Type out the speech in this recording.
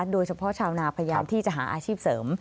โดยเฉพาะชาวนาพยายามที่จะหาอาชีพเสริม